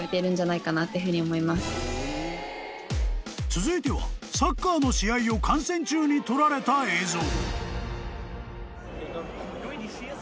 ［続いてはサッカーの試合を観戦中に撮られた映像］